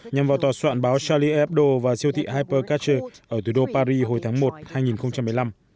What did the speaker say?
nhằm vào tòa soạn báo charlie hebdo và siêu thị hypercatcher ở thủ đô paris hồi tháng một năm hai nghìn một mươi năm